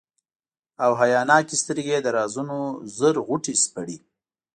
او حیاناکي سترګي یې د رازونو زر غوټي سپړي،